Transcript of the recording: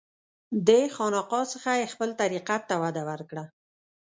دې خانقاه څخه یې خپل طریقت ته وده ورکړه.